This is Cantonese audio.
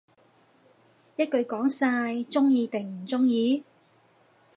一句講晒，鍾意定唔鍾意